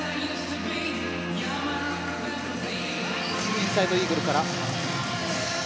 インサイドイーグルから。